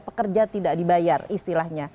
pekerja tidak dibayar istilahnya